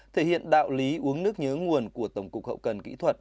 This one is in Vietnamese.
thể hiện đạo lý uống nước nhớ nguồn của tổng cục hậu cần kỹ thuật